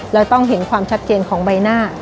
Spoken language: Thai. เราต้องเห็นความชัดเจนของใบหน้า